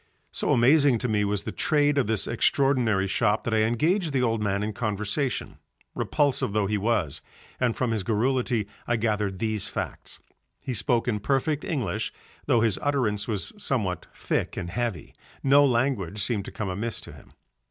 So amazing to me was the trade of this extraordinary shop that I engaged the old man in conversation, repulsive though he was, and from his garrulity I gathered these facts. He spoke in perfect English though his utterance was somewhat thick and heavy; no language seemed to come amiss to him.